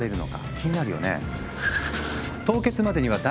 気になるよね。